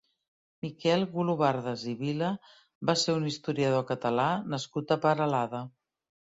Miquel Golobardes i Vila va ser un historiador Català nascut a Peralada.